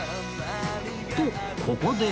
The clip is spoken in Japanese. とここで